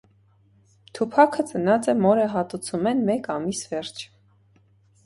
Թուփաքը ծնած է մօրը հատուցումէն մէկ ամիս վերջ։